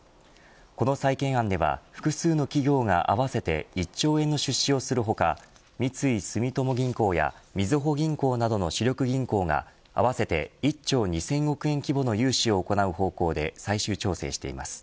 この再建案では複数の企業が合わせて１兆円の出資をする他三井住友銀行やみずほ銀行などの主力銀行が合わせて１兆２０００億円規模の融資を行う方向で最終調整しています。